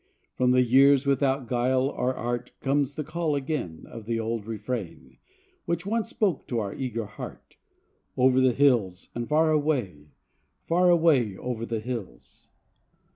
From the years without guile or art Comes the call again Of the old refrain Which once spoke to our eager heart— "Over the hills and far away," Far away over the hills.